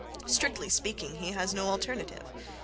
Strictly speaking, he has no alternative.